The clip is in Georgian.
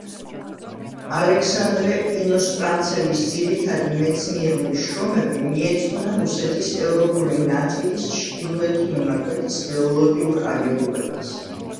ალექსანდრე ინოსტრანცევის ძირითადი მეცნიერული შრომები მიეძღვნა რუსეთის ევროპული ნაწილის ჩრდილოეთი მონაკვეთის გეოლოგიურ აგებულებას.